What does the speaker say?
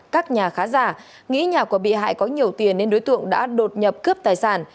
các nhà khá giả nghĩ nhà của bị hại có nhiều tiền nên đối tượng đã đột nhập cướp tài sản